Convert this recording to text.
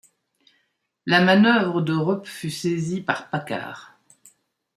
La manœuvre d’Europe fut saisie par Paccard.